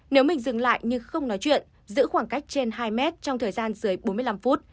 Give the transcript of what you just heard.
nếu mình dừng lại nhưng không nói chuyện giữ khoảng cách trên hai mét trong thời gian dưới bốn mươi năm phút